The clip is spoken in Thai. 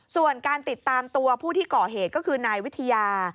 ส่วนการติดตามตัวผู้ที่ก่อเหตุก็คือนายวิทยา